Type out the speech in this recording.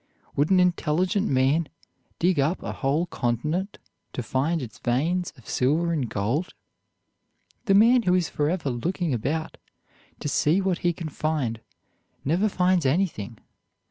Would an intelligent man dig up a whole continent to find its veins of silver and gold? The man who is forever looking about to see what he can find never finds anything.